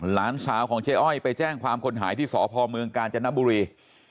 หลานสาวของเจ๊อ้อยไปแจ้งความคนหายที่สพเมืองกาญจนบุรี